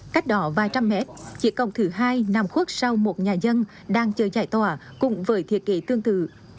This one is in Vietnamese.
cắt đỏ vài trăm mét chiếc cổng thứ hai nằm khuất sau một nhà dân đang chờ giải tỏa cùng với thiết kế tương tự